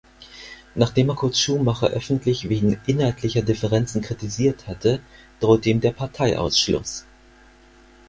Nachdem er Kurt Schumacher öffentlich wegen inhaltlicher Differenzen kritisiert hatte, drohte ihm der Parteiausschluss.